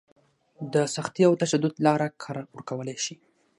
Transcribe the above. د سختي او تشدد لاره کار ورکولی شي.